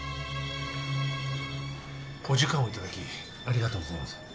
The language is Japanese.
お時間をいただきありがとうございます。